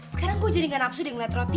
sekarang gue jadi gak napsu deh ngeliat roti